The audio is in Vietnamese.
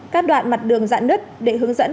các đoạn mặt đường dạn nứt để hướng dẫn